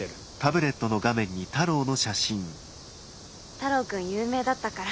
太郎君有名だったから。